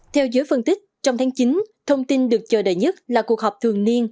theo giới phân tích trong tháng chín thông tin được chờ đợi nhất là cuộc họp thường niên